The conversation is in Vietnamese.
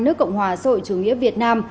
nước cộng hòa sở chủ nghĩa việt nam